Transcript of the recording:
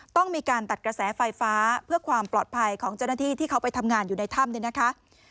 ต้องมีการตัดกระแสไฟฟ้าเพื่อความปลอดภัยของเจ้าหน้าที่ที่เขาไปทำงานอยู่ในถ้ำเนี่ยนะคะ